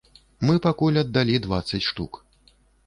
Мы пакуль аддалі дваццаць штук.